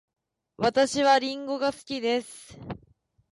私はりんごが好きです。